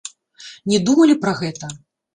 Не думалі пра гэта?